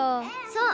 そう。